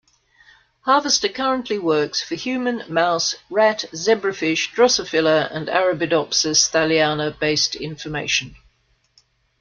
Harvester currently works for human, mouse, rat, zebrafish, drosophila and arabidopsis thaliana based information.